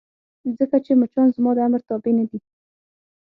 ځکه چې مچان زما د امر تابع نه دي.